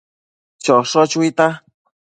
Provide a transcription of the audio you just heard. Chosho chuita